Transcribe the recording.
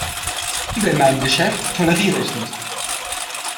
Diebe in meinem Geschäft toleriere ich nicht!